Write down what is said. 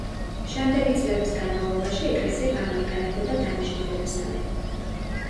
შემდეგი წლების განმავლობაში ეკლესია გამოიყენებოდა დანიშნულებისამებრ.